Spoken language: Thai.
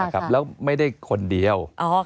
แล้วไม่ได้คนเดียว